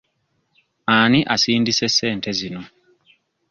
Ani asindise ssente zino?